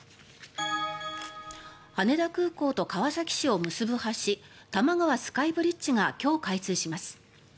羽田空港と川崎市を結ぶ橋多摩川スカイブリッジが今日開通します。